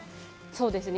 そうですね。